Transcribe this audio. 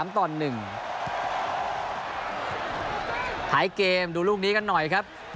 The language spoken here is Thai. เกมดูลูกนี้กันหน่อยครับ